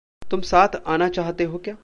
तुम साथ आना चाहते हो क्या?